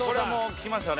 きましたね。